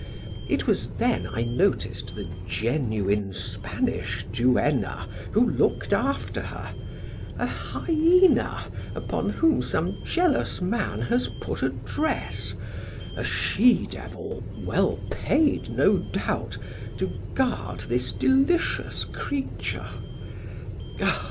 It was then I noticed the genuine Spanish duenna who looked after her, a hyena upon whom some jealous man has put a dress, a she devil well paid, no doubt, to guard this delicious creature....